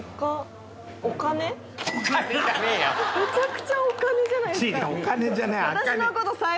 めちゃくちゃ「おかね」じゃないですか。